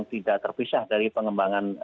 tidak terpisah dari pengembangan